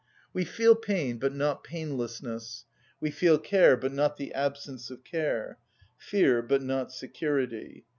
We feel pain, but not painlessness; we feel care, but not the absence of care; fear, but not security.